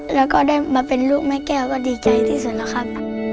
แล้วก็ได้มาเป็นลูกแม่แก้วก็ดีใจที่สุดแล้วครับ